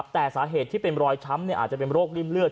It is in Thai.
แต่สาเหตุที่เป็นรอยช้ำอาจจะเป็นโรคริ่มเลือ